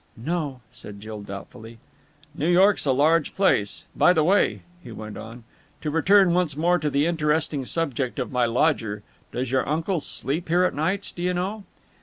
"No," said Jill doubtfully. "New York's a large place. By the way," he went on, "to return once more to the interesting subject of my lodger, does your uncle sleep here at nights, do you know?"